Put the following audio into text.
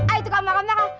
ay tukang marah marah